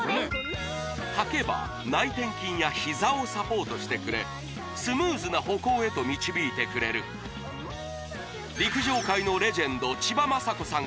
はけば内転筋やひざをサポートしてくれスムーズな歩行へと導いてくれる陸上界のレジェンド千葉真子さん